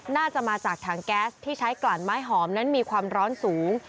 น่าจะมาจากถังแก๊สที่ใช้กลั่นไม้หอมนั้นมีความร้อนสูง